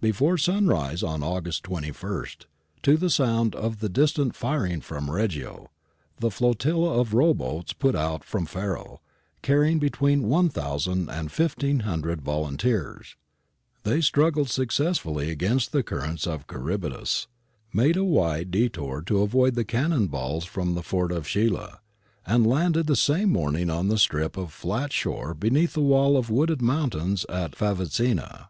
Before sunrise on August 21,2 to the sound of the distant firing from Reggio, the flotilla of row boats put out from Faro, carrying between 1000 and 1 500 volunteers ; they struggled successfully against the currents of Charybdis, made a wide detour to avoid the cannon balls from the fort of Scilla, and landed the same morning on the strip of flat . ^hore beneath the wall of wooded mountains at Favazzina.